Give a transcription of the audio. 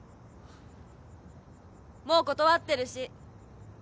もう断ってるし。